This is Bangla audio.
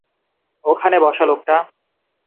ওখানে বসা লোকটা?